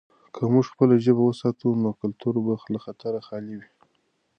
که موږ خپله ژبه وساتو، نو کلتور به له خطره خالي وي.